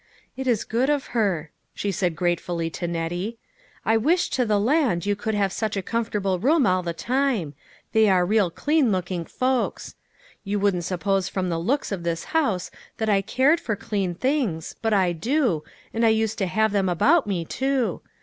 "It is good of her," she said gratefully to Nettie. " I wish to the land you could have such a comfortable room all the time ; they are real clean looking folks. You wouldn't suppose from the looks of this house that I cared for clean things, but I do, and I used to have them about me, too.